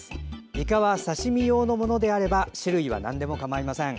いかは、刺身用のものであれば種類はなんでも構いません。